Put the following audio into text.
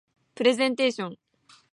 プレゼンテーション